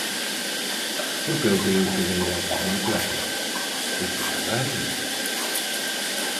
Porque eu creo que dei datos moi claros, ¿os de Sogama?